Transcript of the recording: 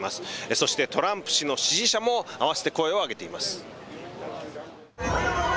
そしてトランプ氏の支持者も、あわせて声を上げています。